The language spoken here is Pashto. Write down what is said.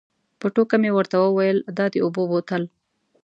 په ټوکه مې ورته وویل دا د اوبو بوتل.